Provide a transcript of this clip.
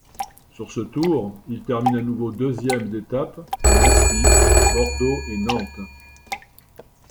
Sur ce tour, il termine à nouveau deuxième d'étape à Nancy, Bordeaux et Nantes.